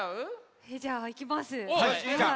じゃあいきます。